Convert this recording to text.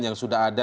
yang sudah ada